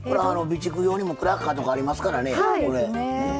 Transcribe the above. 備蓄用にもクラッカーとかありますからね。